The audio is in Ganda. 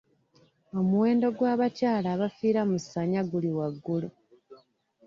Omuwendo gw'abakyala abafiira mu ssanya guli waggulu.